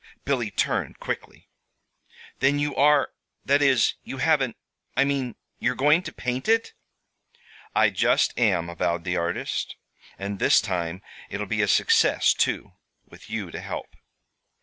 Billy turned quickly. "Then you are that is, you haven't I mean, you're going to paint it?" "I just am," avowed the artist. "And this time it'll be a success, too, with you to help."